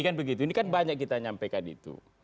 kan begitu ini kan banyak kita nyampaikan itu